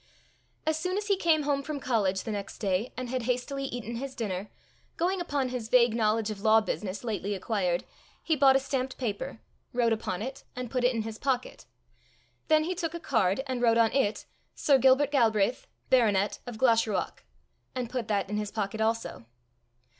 As soon as he came home from college the next day and had hastily eaten his dinner, going upon his vague knowledge of law business lately acquired, he bought a stamped paper, wrote upon it, and put it in his pocket; then he took a card and wrote on it: Sir Gilbert Galbraith, Baronet, of Glashruach, and put that in his pocket also.